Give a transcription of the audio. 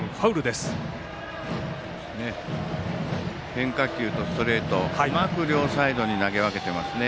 変化球とストレートうまく両サイドに投げ分けていますね。